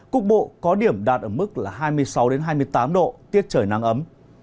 cục bộ có điểm đạt ở mức là hai mươi sáu hai mươi tám độ tiết trời nắng ấm